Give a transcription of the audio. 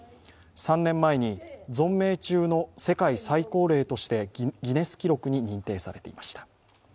３年前に存命中の世界最高齢としてギネス記録に認定されていました。